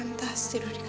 and also jatuh mendoronguku